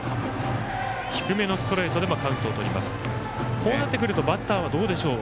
こうなってくるとバッターはどうでしょう。